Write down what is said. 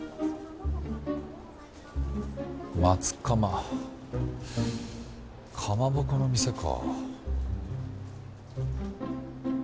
「松かま」かまぼこの店か。